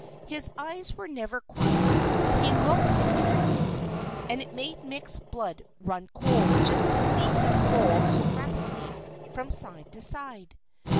His eyes were never quiet, but looked at everything; and it made Mick's blood run cold just to see them roll so rapidly from side to side.